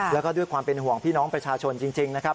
แล้วก็ด้วยความเป็นห่วงพี่น้องประชาชนจริงนะครับ